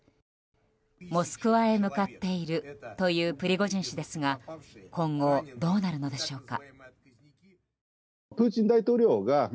モスクワへ向かっているというプリゴジン氏ですが今後どうなるのでしょうか？